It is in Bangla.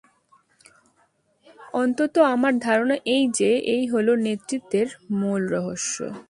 অন্তত আমার ধারণা এই যে, এই হল নেতৃত্বের মূল রহস্য।